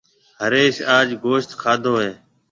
هريش آج گوشت کادو هيَ۔